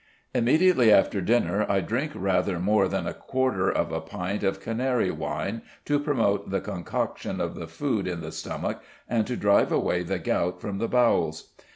Immediately after dinner, I drink rather more than a quarter of a pint of Canary wine to promote the concoction of the food in the stomach, and to drive away the gout from the bowels.